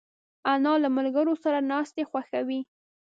انا له ملګرو سره ناستې خوښوي